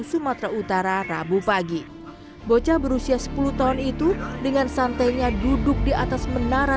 sumatera utara rabu pagi bocah berusia sepuluh tahun itu dengan santainya duduk di atas menara